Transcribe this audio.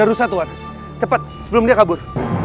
ada rusak tuan cepat sebelum dia kabur